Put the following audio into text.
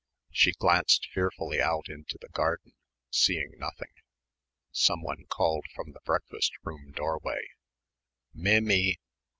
She glanced fearfully out into the garden, seeing nothing. Someone called up from the breakfast room doorway, "Mim my!"